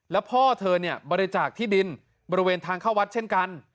แล้วพ่อเธอเนี่ยบริจาคที่ดินบริเวณทางเข้าวัดเช่นกัน